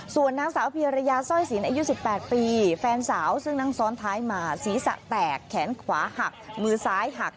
ส่วนนางสาวเพียรยาสร้อยสินอายุ๑๘ปีแฟนสาวซึ่งนั่งซ้อนท้ายมาศีรษะแตกแขนขวาหักมือซ้ายหัก